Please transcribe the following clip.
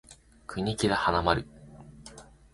国木田花丸